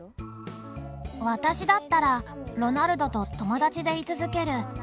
私だったらロナルドと友だちでい続ける。